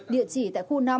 địa chỉ tại khu năm